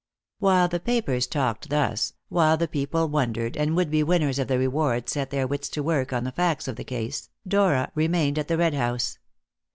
While the papers talked thus, while people wondered, and would be winners of the reward set their wits to work on the facts of the case, Dora remained at the Red House.